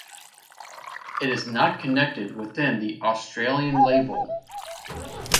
It is not connected with the Australian label.